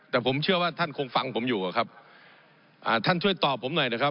ผมอภิปรายเรื่องการขยายสมภาษณ์รถไฟฟ้าสายสีเขียวนะครับ